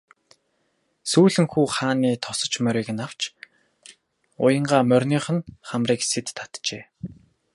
Сүүлэн хүү хааны тосож морийг нь авч уянгаа мориных нь хамрыг сэт татжээ.